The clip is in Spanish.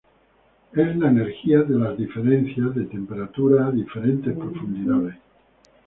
Es la energía de las diferencias de temperatura a diferentes profundidades.